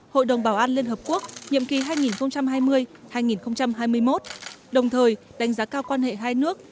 hội đồng bảo an liên hợp quốc nhiệm kỳ hai nghìn hai mươi hai nghìn hai mươi một đồng thời đánh giá cao quan hệ hai nước